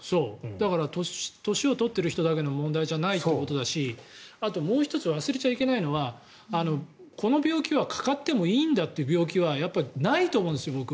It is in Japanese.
だから、年を取っている人だけの問題じゃないということだしあともう１つ忘れちゃいけないのはこの病気はかかってもいいんだっていう病気は僕はないと思うんですよ。